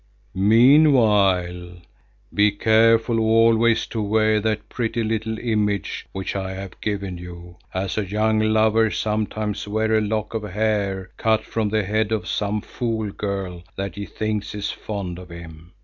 "Meanwhile, be careful always to wear that pretty little image which I have given you, as a young lover sometimes wears a lock of hair cut from the head of some fool girl that he thinks is fond of him.